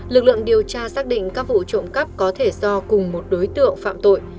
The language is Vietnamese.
lực lượng điều tra xác định các vụ trộm cắp có thể do cùng một đối tượng phạm tội